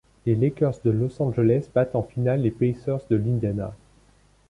Les Lakers de Los Angeles battent en finale les Pacers de l'Indiana.